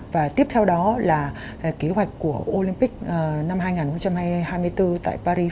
và tiếp theo đó là kế hoạch của olympic năm hai nghìn hai mươi bốn tại paris